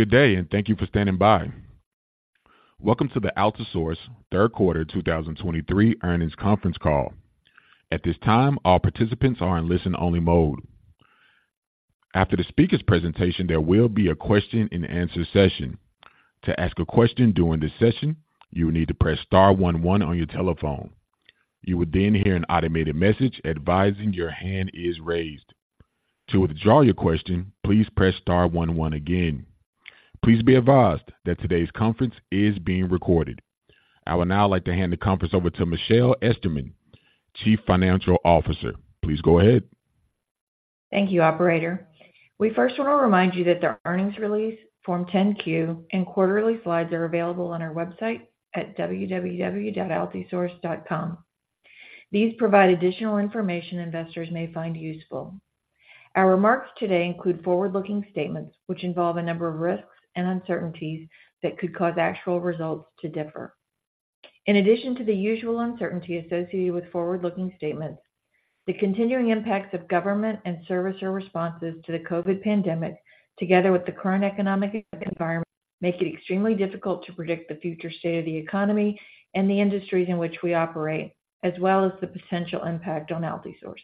Good day, and thank you for standing by. Welcome to the Altisource Third Quarter 2023 Earnings Conference Call. At this time, all participants are in listen-only mode. After the speaker's presentation, there will be a question-and-answer session. To ask a question during this session, you will need to press star one one on your telephone. You will then hear an automated message advising your hand is raised. To withdraw your question, please press star one one again. Please be advised that today's conference is being recorded. I would now like to hand the conference over to Michelle Esterman, Chief Financial Officer. Please go ahead. Thank you, operator. We first want to remind you that the earnings release, Form 10-Q, and quarterly slides are available on our website at www.altisource.com. These provide additional information investors may find useful. Our remarks today include forward-looking statements, which involve a number of risks and uncertainties that could cause actual results to differ. In addition to the usual uncertainty associated with forward-looking statements, the continuing impacts of government and servicer responses to the COVID pandemic, together with the current economic environment, make it extremely difficult to predict the future state of the economy and the industries in which we operate, as well as the potential impact on Altisource.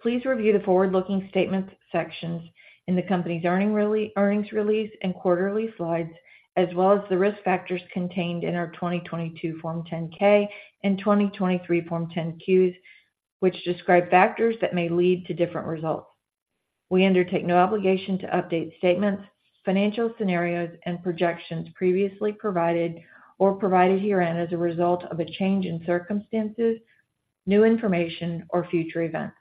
Please review the forward-looking statements sections in the company's earnings release and quarterly slides, as well as the risk factors contained in our 2022 Form 10-K and 2023 Form 10-Qs, which describe factors that may lead to different results. We undertake no obligation to update statements, financial scenarios, and projections previously provided or provided herein as a result of a change in circumstances, new information, or future events.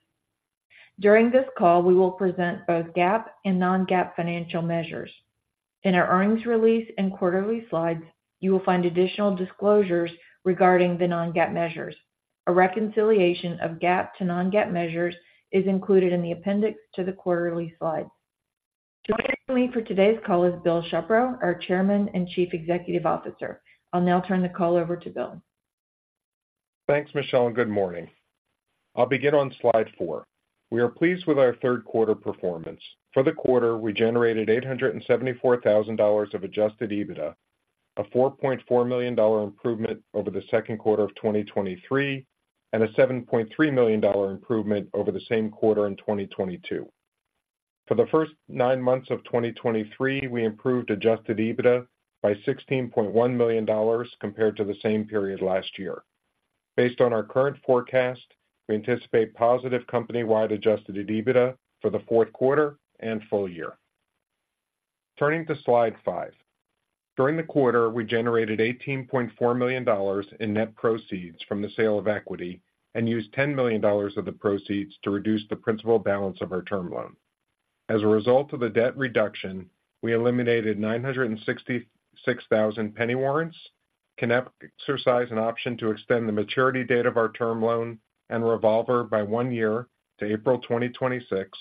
During this call, we will present both GAAP and non-GAAP financial measures. In our earnings release and quarterly slides, you will find additional disclosures regarding the non-GAAP measures. A reconciliation of GAAP to non-GAAP measures is included in the appendix to the quarterly slides. Joining me for today's call is Bill Shepro, our Chairman and Chief Executive Officer. I'll now turn the call over to Bill. Thanks, Michelle, and good morning. I'll begin on slide four. We are pleased with our third quarter performance. For the quarter, we generated $874,000 of Adjusted EBITDA, a $4.4 million improvement over the second quarter of 2023, and a $7.3 million improvement over the same quarter in 2022. For the first nine months of 2023, we improved Adjusted EBITDA by $16.1 million compared to the same period last year. Based on our current forecast, we anticipate positive company-wide Adjusted EBITDA for the fourth quarter and full year. Turning to slide five. During the quarter, we generated $18.4 million in net proceeds from the sale of equity and used $10 million of the proceeds to reduce the principal balance of our term loan. As a result of the debt reduction, we eliminated 966,000 penny warrants, can exercise an option to extend the maturity date of our term loan and revolver by one year to April 2026,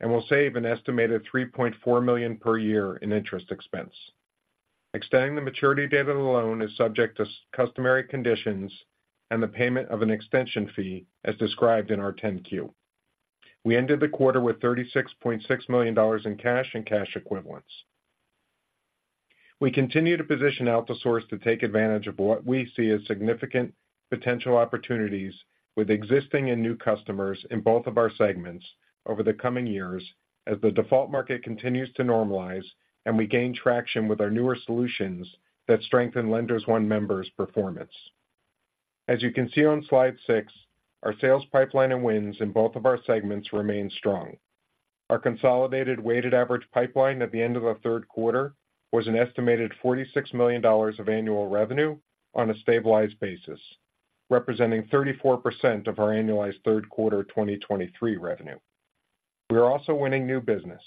and will save an estimated $3.4 million per year in interest expense. Extending the maturity date of the loan is subject to customary conditions and the payment of an extension fee, as described in our 10-Q. We ended the quarter with $36.6 million in cash and cash equivalents. We continue to position Altisource to take advantage of what we see as significant potential opportunities with existing and new customers in both of our segments over the coming years, as the default market continues to normalize and we gain traction with our newer solutions that strengthen Lenders One members' performance. As you can see on slide six, our sales pipeline and wins in both of our segments remain strong. Our consolidated weighted average pipeline at the end of the third quarter was an estimated $46 million of annual revenue on a stabilized basis, representing 34% of our annualized third quarter 2023 revenue. We are also winning new business.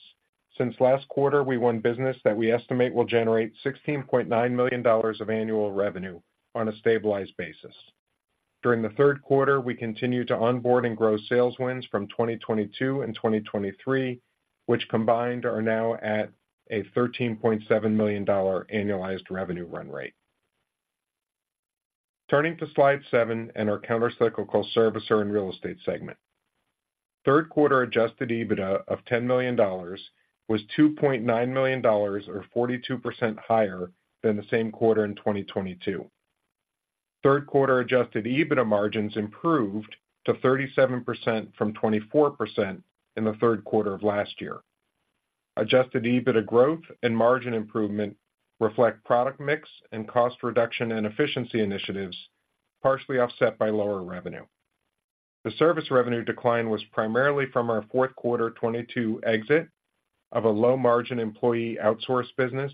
Since last quarter, we won business that we estimate will generate $16.9 million of annual revenue on a stabilized basis. During the third quarter, we continued to onboard and grow sales wins from 2022 and 2023, which combined are now at a $13.7 million dollar annualized revenue run rate. Turning to slide seven and our countercyclical servicer and real estate segment. Third quarter Adjusted EBITDA of $10 million was $2.9 million, or 42% higher than the same quarter in 2022. Third quarter Adjusted EBITDA margins improved to 37% from 24% in the third quarter of last year. Adjusted EBITDA growth and margin improvement reflect product mix and cost reduction and efficiency initiatives, partially offset by lower revenue. The service revenue decline was primarily from our fourth quarter 2022 exit of a low-margin employee outsource business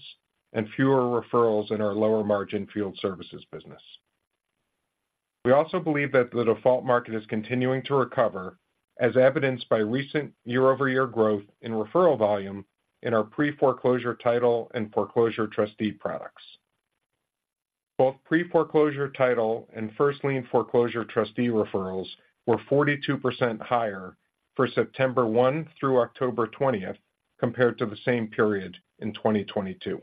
and fewer referrals in our lower-margin field services business. We also believe that the default market is continuing to recover, as evidenced by recent year-over-year growth in referral volume in our pre-foreclosure title and foreclosure trustee products. Both pre-foreclosure title and first lien foreclosure trustee referrals were 42% higher for September 1 through October 20 compared to the same period in 2022.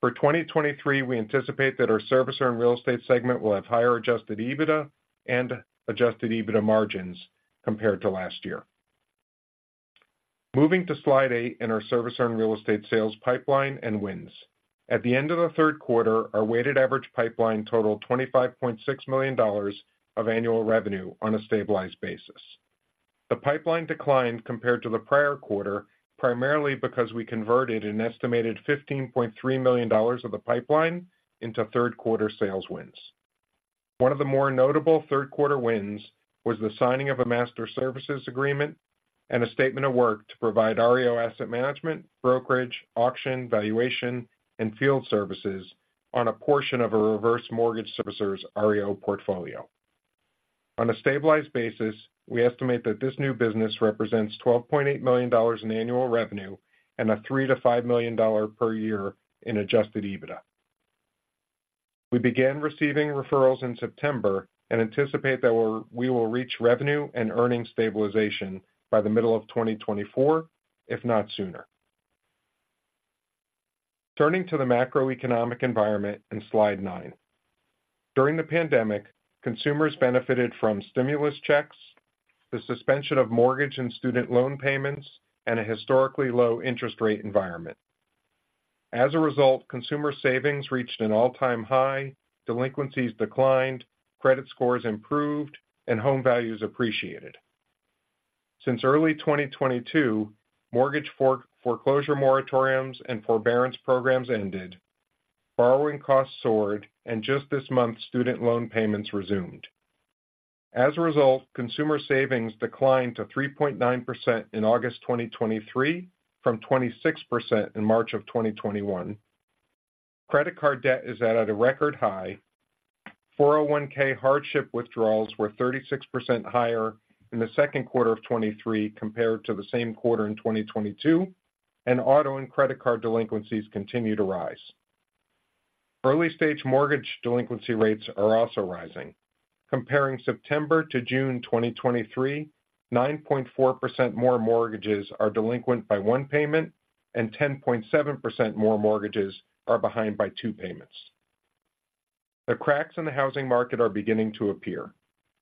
For 2023, we anticipate that our servicer and real estate segment will have higher Adjusted EBITDA and Adjusted EBITDA margins compared to last year. Moving to slide eight in our servicer and real estate sales pipeline and wins. At the end of the third quarter, our weighted average pipeline totaled $25.6 million of annual revenue on a stabilized basis. The pipeline declined compared to the prior quarter, primarily because we converted an estimated $15.3 million of the pipeline into third quarter sales wins. One of the more notable third quarter wins was the signing of a Master Services Agreement and a Statement of Work to provide REO asset management, brokerage, auction, valuation, and field services on a portion of a reverse mortgage servicer's REO portfolio. On a stabilized basis, we estimate that this new business represents $12.8 million in annual revenue and $3 million-$5 million per year in Adjusted EBITDA. We began receiving referrals in September and anticipate that we will reach revenue and earnings stabilization by the middle of 2024, if not sooner. Turning to the macroeconomic environment in slide nine. During the pandemic, consumers benefited from stimulus checks, the suspension of mortgage and student loan payments, and a historically low interest rate environment. As a result, consumer savings reached an all-time high, delinquencies declined, credit scores improved, and home values appreciated. Since early 2022, mortgage foreclosure moratoriums and forbearance programs ended, borrowing costs soared, and just this month, student loan payments resumed. As a result, consumer savings declined to 3.9% in August 2023, from 26% in March of 2021. Credit card debt is at a record high. 401(k) hardship withdrawals were 36% higher in the second quarter of 2023 compared to the same quarter in 2022, and auto and credit card delinquencies continue to rise. Early-stage mortgage delinquency rates are also rising. Comparing September to June 2023, 9.4% more mortgages are delinquent by one payment, and 10.7% more mortgages are behind by two payments. The cracks in the housing market are beginning to appear.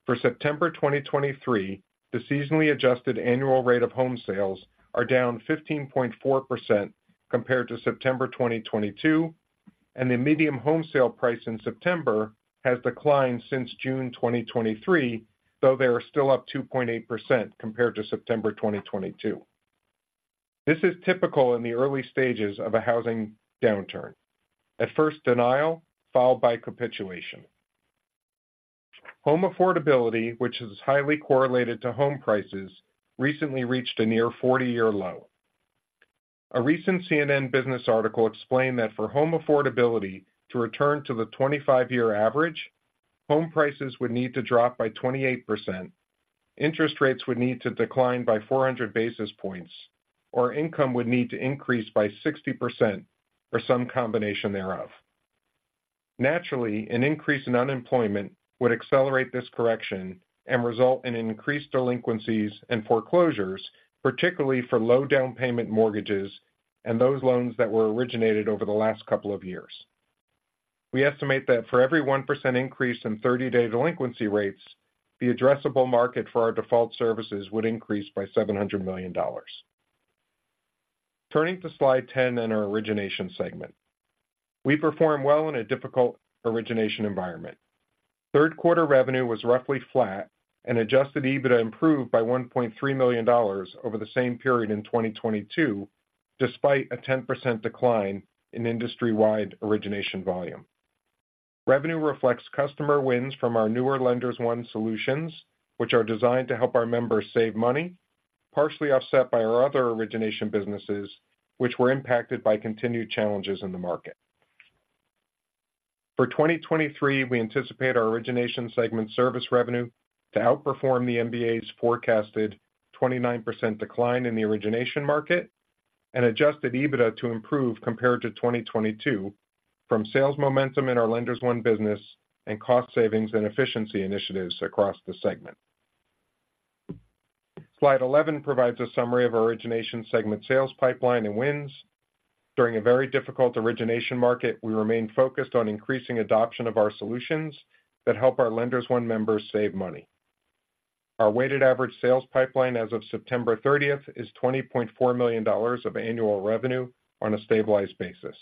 For September 2023, the seasonally adjusted annual rate of home sales are down 15.4% compared to September 2022, and the median home sale price in September has declined since June 2023, though they are still up 2.8% compared to September 2022. This is typical in the early stages of a housing downturn. At first, denial, followed by capitulation. Home affordability, which is highly correlated to home prices, recently reached a near 40-year low. A recent CNN Business article explained that for home affordability to return to the 25-year average, home prices would need to drop by 28%, interest rates would need to decline by 400 basis points, or income would need to increase by 60% or some combination thereof. Naturally, an increase in unemployment would accelerate this correction and result in increased delinquencies and foreclosures, particularly for low down payment mortgages and those loans that were originated over the last couple of years. We estimate that for every 1% increase in 30-day delinquency rates, the addressable market for our default services would increase by $700 million. Turning to slide 10 in our origination segment. We performed well in a difficult origination environment. Third quarter revenue was roughly flat, and Adjusted EBITDA improved by $1.3 million over the same period in 2022, despite a 10% decline in industry-wide origination volume. Revenue reflects customer wins from our newer Lenders One solutions, which are designed to help our members save money, partially offset by our other origination businesses, which were impacted by continued challenges in the market. For 2023, we anticipate our origination segment service revenue to outperform the MBA's forecasted 29% decline in the origination market and Adjusted EBITDA to improve compared to 2022 from sales momentum in our Lenders One business and cost savings and efficiency initiatives across the segment. Slide 11 provides a summary of our origination segment sales pipeline and wins. During a very difficult origination market, we remain focused on increasing adoption of our solutions that help our Lenders One members save money. Our weighted average sales pipeline as of September 30th, is $20.4 million of annual revenue on a stabilized basis.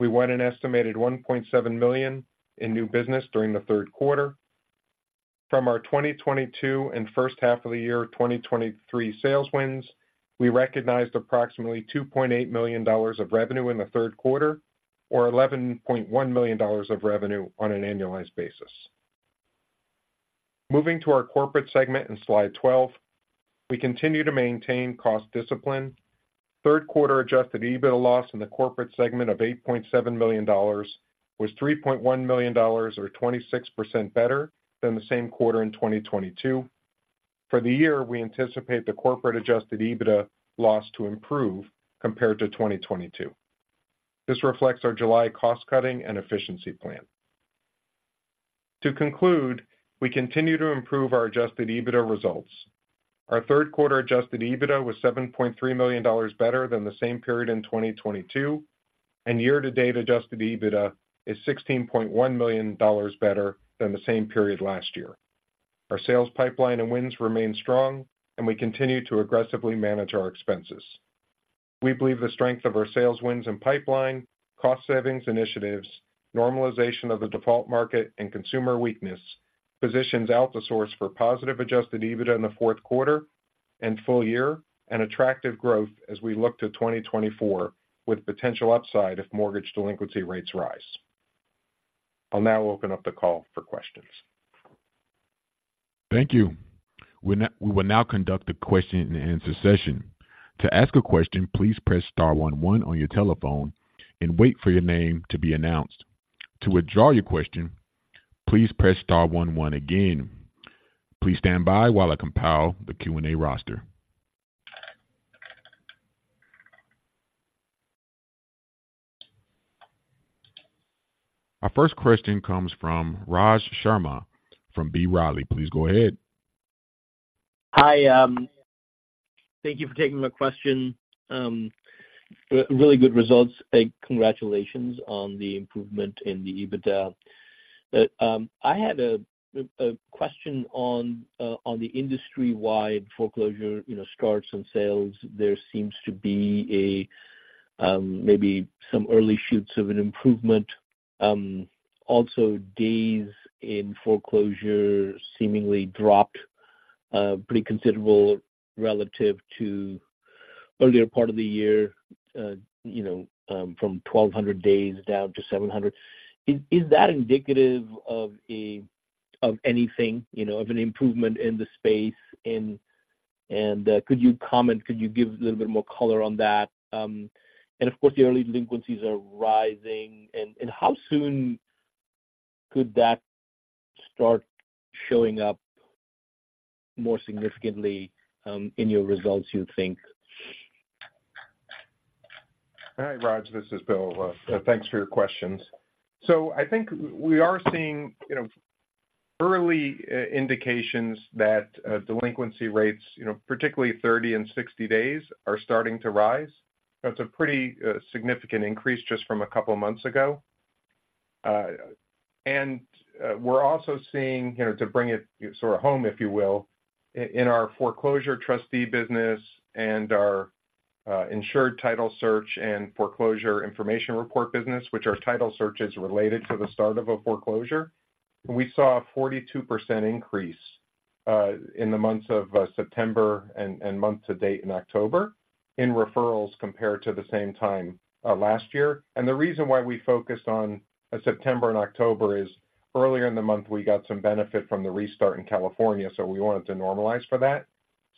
We won an estimated $1.7 million in new business during the third quarter. From our 2022 and first half of the year 2023 sales wins, we recognized approximately $2.8 million of revenue in the third quarter, or $11.1 million of revenue on an annualized basis. Moving to our corporate segment in slide 12, we continue to maintain cost discipline. Third quarter Adjusted EBITDA loss in the corporate segment of $8.7 million was $3.1 million, or 26% better than the same quarter in 2022. For the year, we anticipate the corporate Adjusted EBITDA loss to improve compared to 2022. This reflects our July cost-cutting and efficiency plan. To conclude, we continue to improve our Adjusted EBITDA results. Our third quarter Adjusted EBITDA was $7.3 million better than the same period in 2022, and year-to-date Adjusted EBITDA is $16.1 million better than the same period last year. Our sales pipeline and wins remain strong, and we continue to aggressively manage our expenses. We believe the strength of our sales wins and pipeline, cost savings initiatives, normalization of the default market, and consumer weakness positions Altisource for positive Adjusted EBITDA in the fourth quarter and full year, and attractive growth as we look to 2024, with potential upside if mortgage delinquency rates rise. I'll now open up the call for questions. Thank you. We will now conduct a question-and-answer session. To ask a question, please press star one one on your telephone and wait for your name to be announced. To withdraw your question, please press star one one again. Please stand by while I compile the Q&A roster. Our first question comes from Raj Sharma from B. Riley. Please go ahead. Hi, thank you for taking my question. Really good results, and congratulations on the improvement in the EBITDA. But, I had a question on the industry-wide foreclosure, you know, starts and sales. There seems to be a maybe some early shoots of an improvement. Also, days in foreclosure seemingly dropped pretty considerable relative to earlier part of the year, you know, from 1,200 days down to 700. Is that indicative of a-- of anything, you know, of an improvement in the space in and could you comment, could you give a little bit more color on that? And of course, the early delinquencies are rising, and how soon could that start showing up more significantly in your results, you think? Hi, Raj, this is Bill. Thanks for your questions. So I think we are seeing, you know, early indications that delinquency rates, you know, particularly 30 and 60 days, are starting to rise. That's a pretty significant increase just from a couple of months ago. And we're also seeing, you know, to bring it sort of home, if you will, in our foreclosure trustee business and our insured title search and foreclosure information report business, which are title searches related to the start of a foreclosure, we saw a 42% increase in the months of September and month to date in October, in referrals compared to the same time last year. The reason why we focused on September and October is earlier in the month, we got some benefit from the restart in California, so we wanted to normalize for that.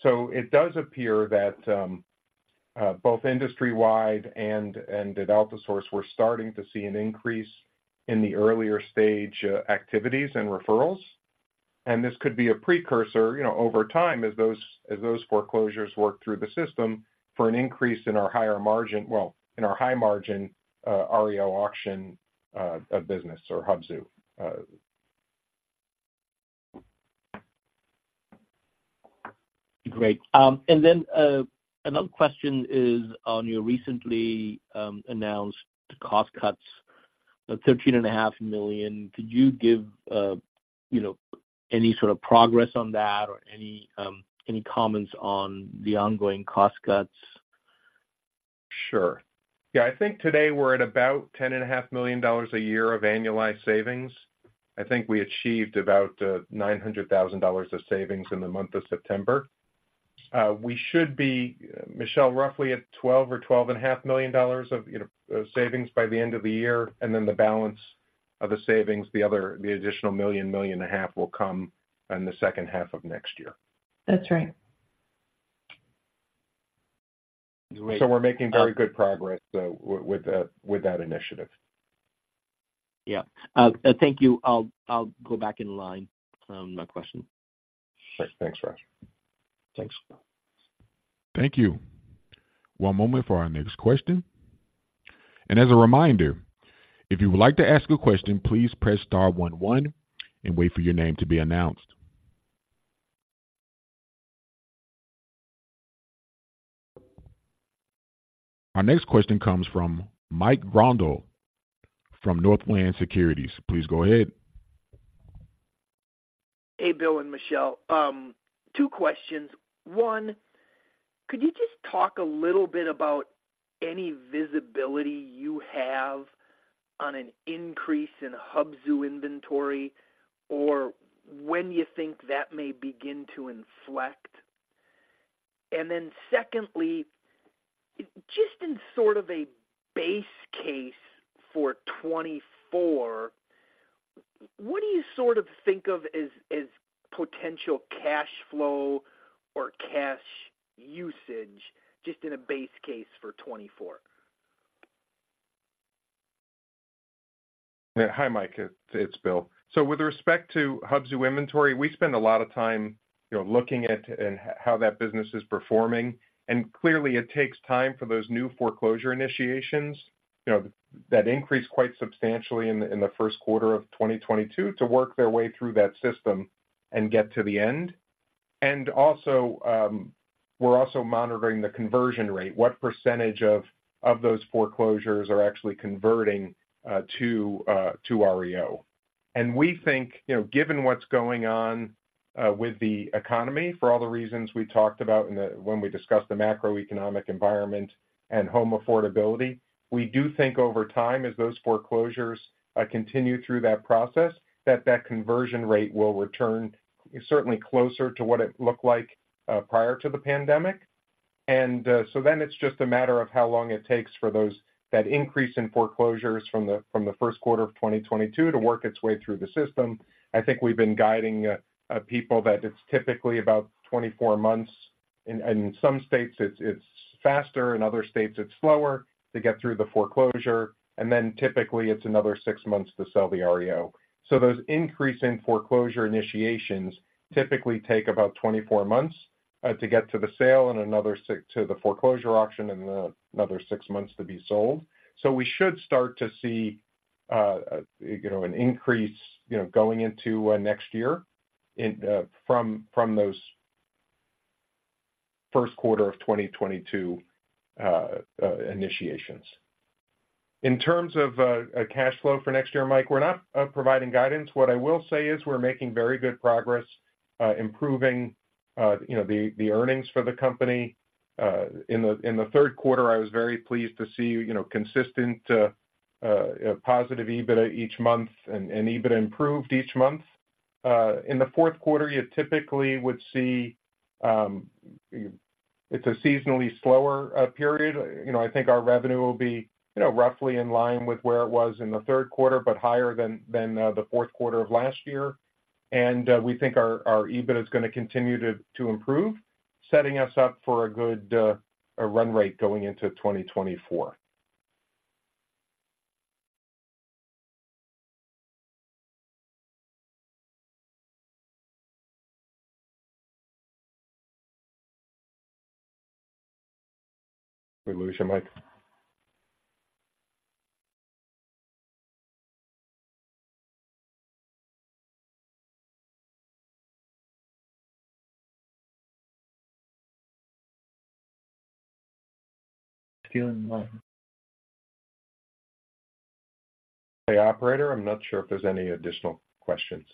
It does appear that both industry-wide and at Altisource, we're starting to see an increase in the earlier stage activities and referrals. This could be a precursor, you know, over time as those, as those foreclosures work through the system for an increase in our higher margin. Well, in our high margin REO auction business or Hubzu. Great. And then, another question is on your recently announced cost cuts of $13.5 million. Could you give, you know, any sort of progress on that or any comments on the ongoing cost cuts? Sure. Yeah, I think today we're at about $10.5 million a year of annualized savings. I think we achieved about $900,000 of savings in the month of September. We should be, Michelle, roughly at $12 million-$12.5 million of, you know, savings by the end of the year, and then the balance of the savings, the other, the additional $1 million-$1.5 million, will come in the second half of next year. That's right. Great. We're making very good progress with that initiative. Yeah. Thank you. I'll, I'll go back in line, my question. Thanks, Raj. Thanks. Thank you. One moment for our next question. As a reminder, if you would like to ask a question, please press star one one and wait for your name to be announced. Our next question comes from Mike Grondahl from Northland Securities. Please go ahead. Hey, Bill and Michelle. Two questions. One, could you just talk a little bit about any visibility you have on an increase in Hubzu inventory or when you think that may begin to inflect? And then secondly, just in sort of a base case for 2024, what do you sort of think of as, as potential cash flow or cash usage just in a base case for 2024? Hi, Mike, it's Bill. So with respect to Hubzu inventory, we spend a lot of time, you know, looking at and how that business is performing, and clearly, it takes time for those new foreclosure initiations, you know, that increased quite substantially in the first quarter of 2022 to work their way through that system and get to the end. And also, we're also monitoring the conversion rate. What percentage of those foreclosures are actually converting to REO? And we think, you know, given what's going on with the economy, for all the reasons we talked about when we discussed the macroeconomic environment and home affordability, we do think over time, as those foreclosures continue through that process, that conversion rate will return certainly closer to what it looked like prior to the pandemic. So then it's just a matter of how long it takes for that increase in foreclosures from the first quarter of 2022 to work its way through the system. I think we've been guiding people that it's typically about 24 months. In some states, it's faster, in other states, it's slower to get through the foreclosure, and then typically it's another 6 months to sell the REO. So those increase in foreclosure initiations typically take about 24 months to get to the sale and another 6 to the foreclosure auction, and another 6 months to be sold. So we should start to see, you know, an increase, you know, going into next year from those first quarter of 2022 initiations. In terms of cash flow for next year, Mike, we're not providing guidance. What I will say is we're making very good progress improving you know the earnings for the company. In the third quarter, I was very pleased to see you know consistent positive EBITDA each month and EBITDA improved each month. In the fourth quarter, you typically would see it's a seasonally slower period. You know, I think our revenue will be you know roughly in line with where it was in the third quarter, but higher than the fourth quarter of last year. And we think our EBITDA is gonna continue to improve, setting us up for a good run rate going into 2024. We lose you, Mike. Hey, operator, I'm not sure if there's any additional questions.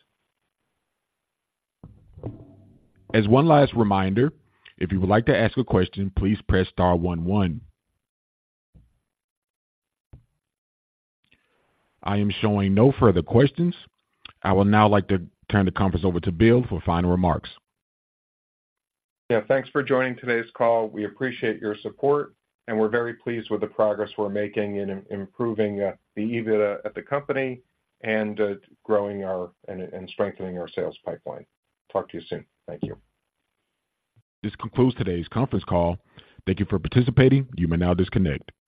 As one last reminder, if you would like to ask a question, please press star one, one. I am showing no further questions. I will now like to turn the conference over to Bill for final remarks. Yeah, thanks for joining today's call. We appreciate your support, and we're very pleased with the progress we're making in improving the EBITDA at the company and growing our and strengthening our sales pipeline. Talk to you soon. Thank you. This concludes today's conference call. Thank you for participating. You may now disconnect.